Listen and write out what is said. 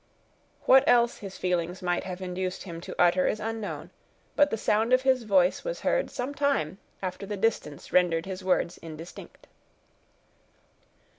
What else his feelings might have induced him to utter is unknown, but the sound of his voice was heard some time after the distance rendered his words indistinct.